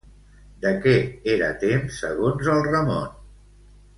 De què era temps, segons el Ramon?